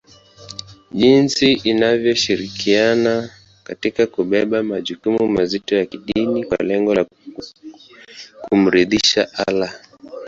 jinsi inavyoshirikiana katika kubeba majukumu mazito ya kidini kwa lengo la kumridhisha Allah